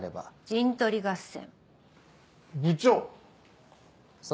陣取り合戦。